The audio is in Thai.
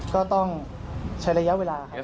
ก็ต้องใช้ระยะเวลาครับ